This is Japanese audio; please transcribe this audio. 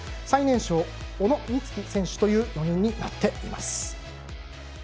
最年少、小野光希選手という４人になっています。